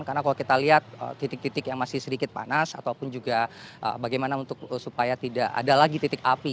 karena kalau kita lihat titik titik yang masih sedikit panas ataupun juga bagaimana untuk supaya tidak ada lagi titik api